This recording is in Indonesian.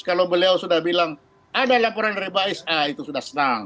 kalau beliau sudah bilang ada laporan dari bais ah itu sudah senang